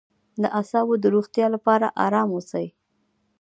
د اعصابو د روغتیا لپاره ارام اوسئ